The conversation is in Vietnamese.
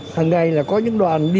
hằng ngày là có những đoàn đi